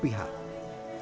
kekhawatiran tentu ada